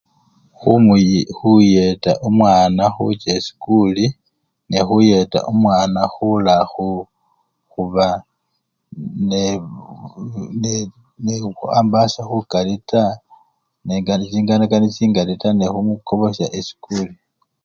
Khumuyi! khuyeta omwana khucha esikuli nekhuyeta omwana khula khu! khuba ne! ne! ne! nekhukhwambasya khukali taa nenga chinganakana chingali taa nekhumukobosya esikuli.